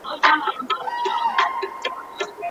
د قيامت په ورځ به خدای د دوی دښمن وي.